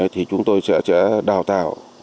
thì chúng tôi sẽ đào tạo